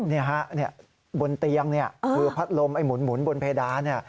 นี่ฮะบนเตียงเนี่ยคือพัดลมไอ้หมุนบนเพดานเนี่ย